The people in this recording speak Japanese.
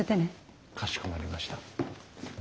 かしこまりました。